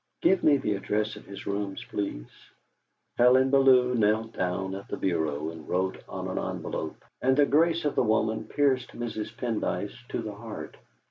Give me the address of his rooms, please." Helen Bellew knelt down at the bureau and wrote on an envelope, and the grace of the woman pierced Mrs. Pendyce to the heart.